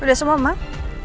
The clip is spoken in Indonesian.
udah semua emang